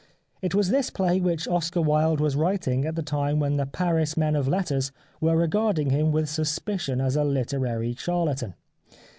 It was this play which Oscar Wilde was writing at the time when the Paris men of letters were regarding him with suspicion as a literary char latan.